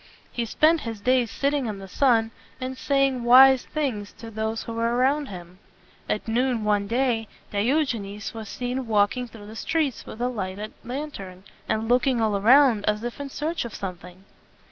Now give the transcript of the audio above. He spent his days sitting in the sun, and saying wise things to those who were around him. At noon one day, Di og e nes was seen walking through the streets with a lighted lantern, and looking all around as if in search of something.